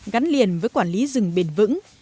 gắn liền với quản lý rừng bền vững